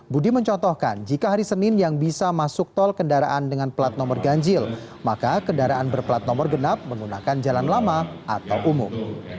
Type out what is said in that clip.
budi mencontohkan jika hari senin yang bisa masuk tol kendaraan dengan plat nomor ganjil maka kendaraan berplat nomor genap menggunakan jalan lama atau umum